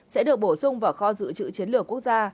sẽ được bổ sung vào kho dự trữ chiến lược quốc gia